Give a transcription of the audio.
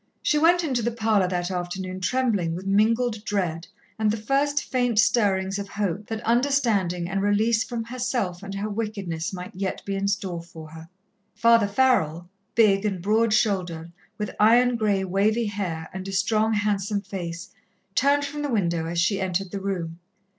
She went into the parlour that afternoon trembling with mingled dread, and the first faint stirrings of hope that understanding and release from herself and her wickedness might yet be in store for her. Father Farrell, big and broad shouldered, with iron grey, wavy hair and a strong, handsome face, turned from the window as she entered the room.